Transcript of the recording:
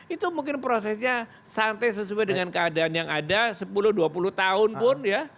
itu mungkin prosesnya santai sesuai dengan keadaan yang ada sepuluh dua puluh tahun pun ya